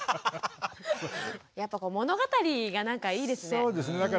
やっぱこう物語がなんかいいですね。